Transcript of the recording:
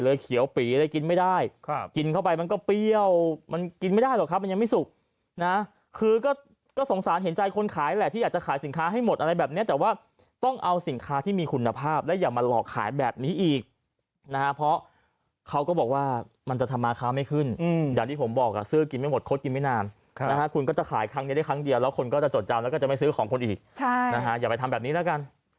เหลือเขียวปีเลยกินไม่ได้กินเข้าไปมันก็เปรี้ยวมันกินไม่ได้หรอกครับมันยังไม่สุกนะคือก็ก็สงสารเห็นใจคนขายแหละที่อยากจะขายสินค้าให้หมดอะไรแบบเนี้ยแต่ว่าต้องเอาสินค้าที่มีคุณภาพแล้วอย่ามาหลอกขายแบบนี้อีกนะฮะเพราะเขาก็บอกว่ามันจะทำมาค้าไม่ขึ้นอืมอย่างที่ผมบอกอ่ะซื้อกินไม่หมดคดกินไม่นานค่